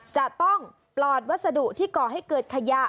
จะต้องปลอดวัสดุที่ก่อให้เกิดขยะ